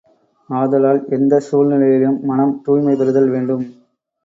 ஆதலால், எந்தச் சூழ்நிலையிலும் மனம் தூய்மை பெறுதல் வேண்டும்.